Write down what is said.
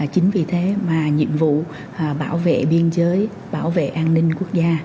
chính vì thế mà nhiệm vụ bảo vệ biên giới bảo vệ an ninh quốc gia